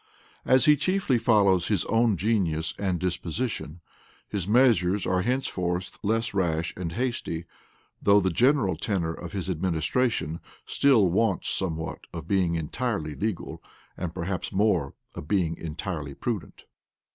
As he chiefly follows his own genius and disposition, his measures are henceforth less rash and hasty; though the general tenor of his administration still wants somewhat of being entirely legal, and perhaps more of being entirely prudent.